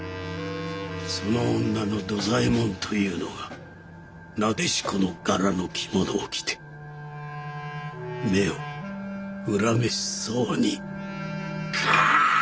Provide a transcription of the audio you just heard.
その女の土左衛門というのがなでしこの柄の着物を着て目を恨めしそうにカッと見開いて。